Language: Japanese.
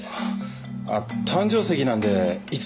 ああ誕生石なんでいつも。